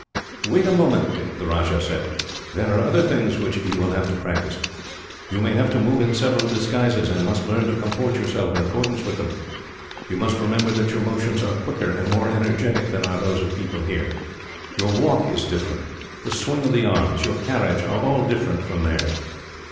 "Wait a moment, Dick," the Rajah said. "There are other things which you will have to practise. You may have to move in several disguises, and must learn to comport yourself in accordance with them. You must remember that your motions are quicker and more energetic than are those of people here. Your walk is different; the swing of the arms, your carriage, are all different from theirs.